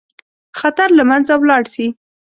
خطر له منځه ولاړ شي.